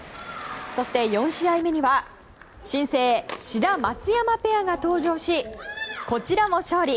そして４試合目には新星志田、松山ペアが登場しこちらも勝利。